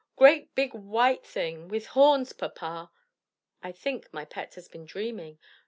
"Great big white thing, with horns, papa." "I think my pet has been dreaming?"